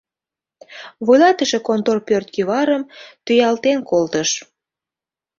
Вуйлатыше контор пӧрт кӱварым тӱялтен колтыш: